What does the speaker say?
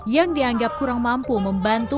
yang dianggap kurang mampu membantu